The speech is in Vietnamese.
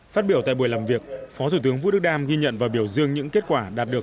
phát biểu tại buổi làm việc phó thủ tướng vũ đức đam ghi nhận và biểu dương những kết quả đạt được